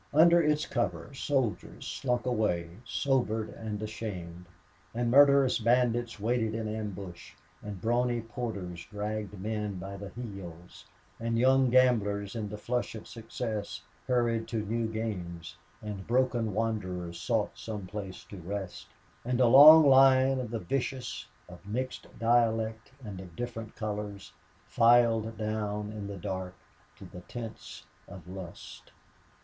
Under its cover soldiers slunk away sobered and ashamed, and murderous bandits waited in ambush, and brawny porters dragged men by the heels, and young gamblers in the flush of success hurried to new games, and broken wanderers sought some place to rest, and a long line of the vicious, of mixed dialect, and of different colors, filed down in the dark to the tents of lust.